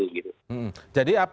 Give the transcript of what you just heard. jadi apa yang ada